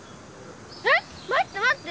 えっ⁉まってまって！